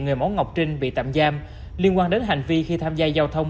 người mẫu ngọc trinh bị tạm giam liên quan đến hành vi khi tham gia giao thông